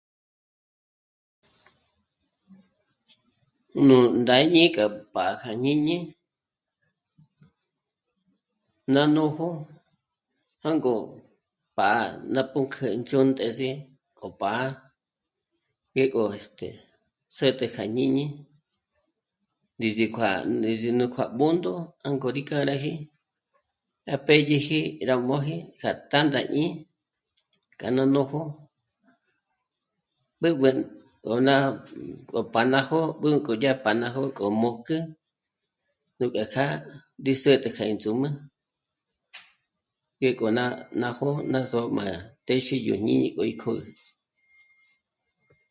Nú ndá'iñi k'a pâja à jñíni ná nójo jângo pâ'a ná pǔnk'ü ndzhǖ̂ntes'i k'o pá'a ngé o... este... zêt'e kja jñíni ndízi kuà'a, ndízi kuà'a à Bṓndo jângo rí k'â'a ráji rá pédyeji rá móji k'a tândajñí k'a ná nójo b'ǚb'ü ngo ná gó pá ná jó'o b'ûnk'o dyá pa ná jó'o k'ó mòjk'ü mbèka kja ndízätë kja índzùmü ngéko ná jó'o ná só'o ngó má téxi yó jñíni k'o í kjö̀gü